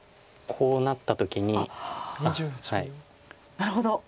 なるほど！